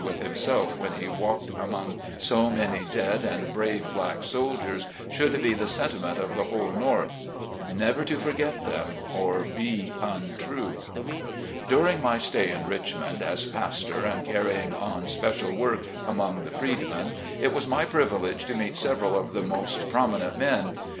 with himself when he walked among so many dead and brave black soldiers, should be the sentiment of the whole North ; never to forget them, or be untrue. During my stay in Richmond as pastor and carry ing on special work among the freedmen, it was my privilege to meet several of the most prom inent men.